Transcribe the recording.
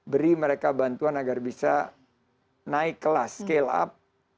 beri mereka bantuan agar bisa naik kelas scale up